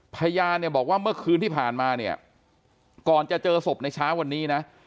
พระยาบอกว่าเมื่อคืนที่ผ่านมาก่อนจะเจอศพในช้าวันนี้นะ